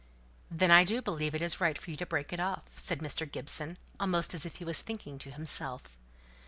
"Then I do believe it's right for you to break it off," said Mr. Gibson, almost as if he were thinking to himself.